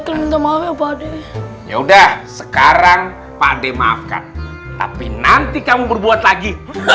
minta maaf ya pak deh ya udah sekarang pak deh maafkan tapi nanti kamu berbuat lagi